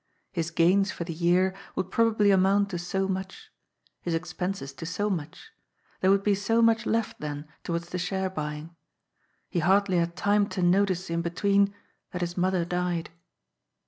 His gains for the year would probably amount to so much. His ex penses to so much. There would be so much left, then, towards the share buying. He hardly had time to notice in between that his mother died.